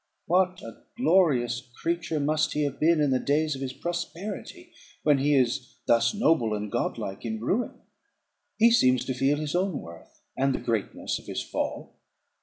What a glorious creature must he have been in the days of his prosperity, when he is thus noble and godlike in ruin! He seems to feel his own worth, and the greatness of his fall.